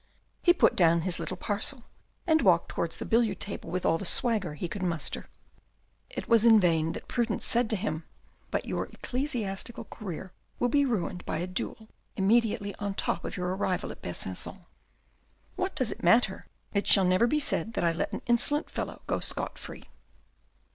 He put down his little parcel, and walked towards the billiard table with all the swagger he could muster. It was in vain that prudence said to him, " but your ecclesiastical career will be ruined by a duel immediately on top of your arrival at Besancon." "What does it matter. It shall never be said that I let an insolent fellow go scot free."